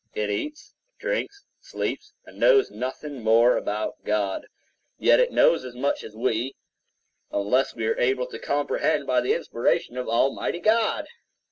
It eats, drinks, sleeps, and knows nothing more about God; yet it knows as much as we, unless we are able to comprehend by the inspiration of Almighty God.